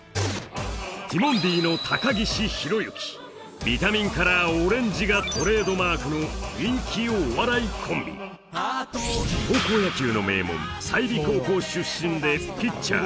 ティモンディの高岸宏行ビタミンカラーオレンジがトレードマークの人気お笑いコンビ高校野球の名門済美高校出身でピッチャー